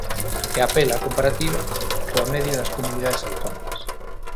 E apela á comparativa coa media das comunidades autónomas.